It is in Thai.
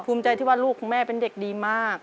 ภูมิใจที่ว่าลูกของแม่เป็นเด็กดีมาก